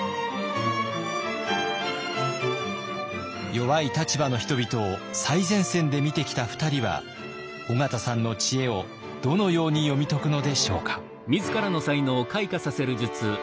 弱い立場の人々を最前線で見てきた２人は緒方さんの知恵をどのように読み解くのでしょうか。